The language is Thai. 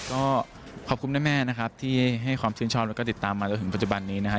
ก็ขอบคุณแม่นะครับที่ให้ความชื่นชอบแล้วก็ติดตามมาจนถึงปัจจุบันนี้นะครับ